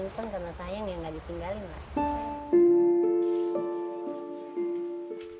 itu kan karena sayang ya nggak ditinggalin lah